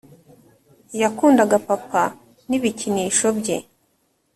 yakundaga papa, n'ibikinisho bye;